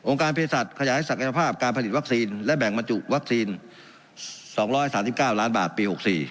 การเพศสัตว์ขยายศักยภาพการผลิตวัคซีนและแบ่งบรรจุวัคซีน๒๓๙ล้านบาทปี๖๔